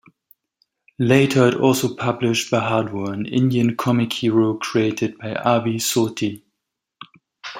Later it also published Bahadur, an Indian comic hero created by Aabid Surti.